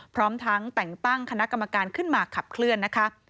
พร้อมทั้งแต่งตั้งคณะกรรมการขึ้นมาขับเคลื่อนนะคะ